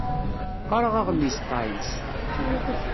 Qqaṛeɣ aɣmis "Times".